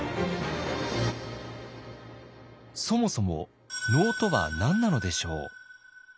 そもそも能とは何なのでしょう？